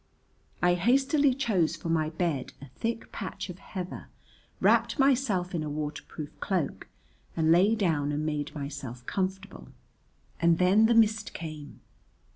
I hastily chose for my bed a thick patch of heather, wrapped myself in a waterproof cloak, and lay down and made myself comfortable. And then the mist came.